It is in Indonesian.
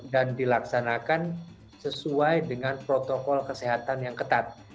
dan dilaksanakan sesuai dengan protokol kesehatan yang ketat